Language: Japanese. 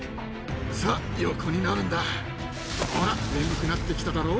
さぁ横になるんだほら眠くなってきただろ。